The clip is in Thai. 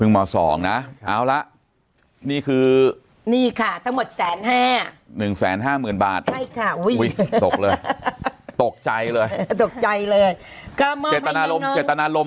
พึ่งม๒นะนี่คือ๑๕๕๐บาทตกใจเลยเกตนาลมเกตนาลม